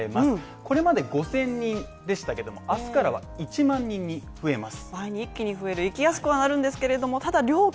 これまで５０００人でしたけども、明日からは１万人に増えます